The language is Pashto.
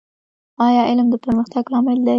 ایا علم د پرمختګ لامل دی؟